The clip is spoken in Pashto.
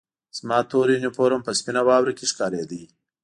زما تور یونیفورم په سپینه واوره کې ښکارېده